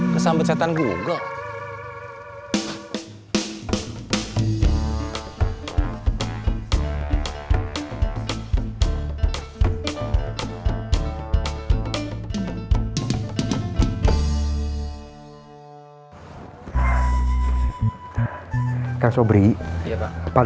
kesampe setan google